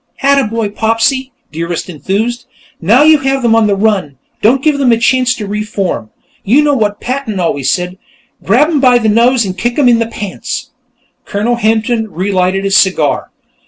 "Attaboy, Popsy!" Dearest enthused. "Now you have them on the run; don't give them a chance to re form. You know what Patton always said Grab 'em by the nose and kick 'em in the pants." Colonel Hampton re lighted his cigar.